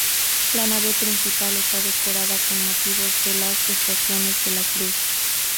La nave principal está decorada con motivos de las estaciones de la cruz.